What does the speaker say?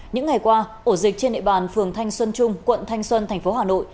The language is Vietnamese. những ngày qua ổ dịch trên nệ bàn phường thanh xuân trung quận thanh xuân thành phố hà nội